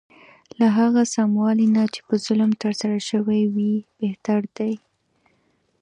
له هغه سموالي نه چې په ظلم ترسره شوی وي بهتر دی.